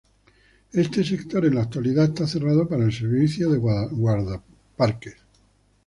Este sector en la actualidad está cerrado para el servicio de Guardaparques.